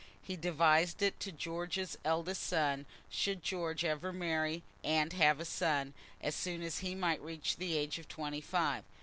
He devised it to George's eldest son, should George ever marry and have a son, as soon as he might reach the age of twenty five.